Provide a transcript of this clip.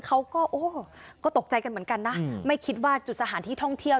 เขาก็โอ้ก็ตกใจกันเหมือนกันนะไม่คิดว่าจุดสถานที่ท่องเที่ยว